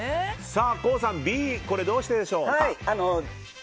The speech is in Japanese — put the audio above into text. ＫＯＯさん、Ｂこれ、どうしてでしょうか？